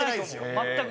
全く。